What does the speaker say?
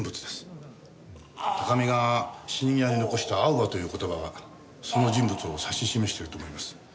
高見が死に際に残したアオバという言葉はその人物を指し示していると思います。